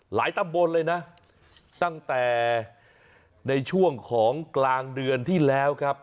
ตำบลเลยนะตั้งแต่ในช่วงของกลางเดือนที่แล้วครับ